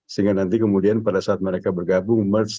sehingga nanti kemudian pada saat mereka bergabung merch